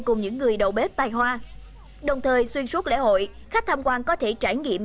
cùng những người đầu bếp tài hoa đồng thời xuyên suốt lễ hội khách tham quan có thể trải nghiệm